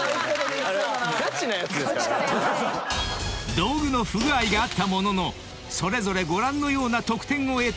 ［道具の不具合があったもののそれぞれご覧のような得点を得た吹き矢］